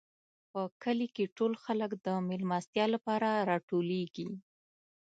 په کلي کې ټول خلک د مېلمستیا لپاره راټولېږي.